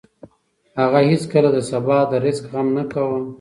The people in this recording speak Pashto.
هغه هېڅکله د سبا د رزق غم نه کاوه.